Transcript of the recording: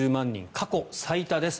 過去最多です。